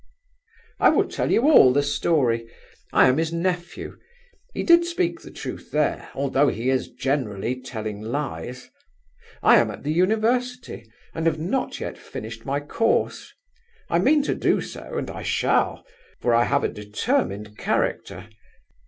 "I will tell you all the story. I am his nephew; he did speak the truth there, although he is generally telling lies. I am at the University, and have not yet finished my course. I mean to do so, and I shall, for I have a determined character.